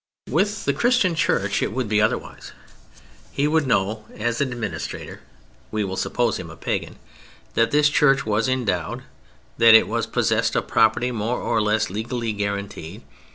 With the Christian Church it would be otherwise. He would know as an administrator (we will suppose him a pagan) that this Church was endowed; that it was possessed of property more or less legally guaranteed.